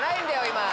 今。